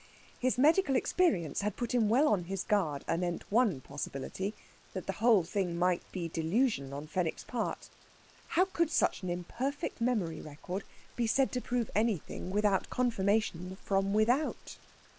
His medical experience had put him well on his guard anent one possibility that the whole thing might be delusion on Fenwick's part. How could such an imperfect memory record be said to prove anything without confirmation from without?